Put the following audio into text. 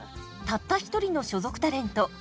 たった一人の所属タレント